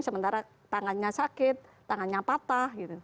sementara tangannya sakit tangannya patah